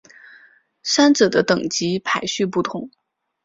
三者的等级排序不同。